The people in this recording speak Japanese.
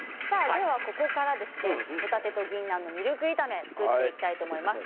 ではここからほたてとぎんなんのミルク炒めを作っていきたいと思います。